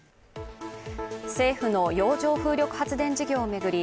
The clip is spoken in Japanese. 政府の洋上風力発電事業を巡り